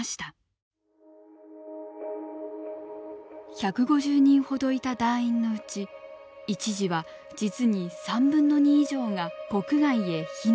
１５０人ほどいた団員のうち一時は実に３分の２以上が国外へ避難。